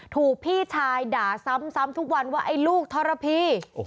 ถูกพี่ชายด่าซ้ำทุกวันว่าไอ้ลูกทรพี